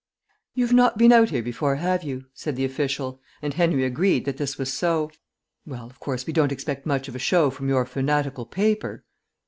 "You've not been out here before, have you," said the official, and Henry agreed that this was so. "Well, of course we don't expect much of a show from your fanatical paper...."